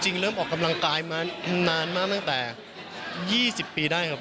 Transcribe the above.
เริ่มออกกำลังกายมานานมากตั้งแต่๒๐ปีได้ครับ